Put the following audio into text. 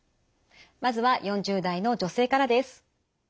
まずは４０代の女性からです。